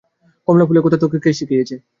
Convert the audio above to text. কমলা ফুলের কথা তোকে কে শিখিয়েছে?